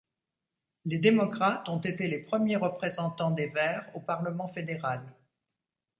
Les démocrates ont été les premiers représentants des Verts au parlement fédéral.